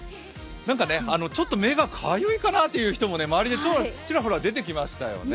なんかね、ちょっと目がかゆいかなという方も、周りでちらほら出てきましたよね。